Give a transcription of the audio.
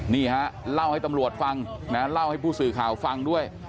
นี่ฮะเล่าให้ตำรวจฟังนะเล่าให้ผู้สื่อข่าวฟังด้วย